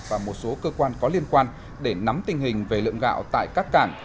và một số cơ quan có liên quan để nắm tình hình về lượng gạo tại các cảng